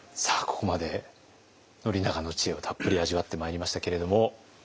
ここまで宣長の知恵をたっぷり味わってまいりましたけれども。